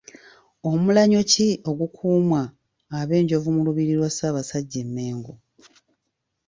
Omulanyo ki ogukuumwa abenjovu mu lubiri lwa Ssaabasajja e Mengo?